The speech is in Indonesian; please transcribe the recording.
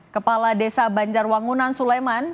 kepala desa banjarwangunan suleman